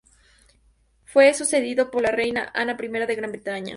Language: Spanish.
Fue sucedido por la reina Ana I de Gran Bretaña.